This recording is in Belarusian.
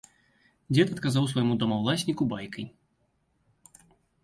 Дзед адказаў свайму домаўласніку байкай.